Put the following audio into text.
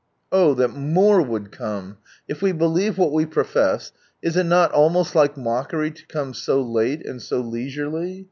" Oh that more would come I If we believe what we profess, is it not almost like jckery lo come so late and so leisurely?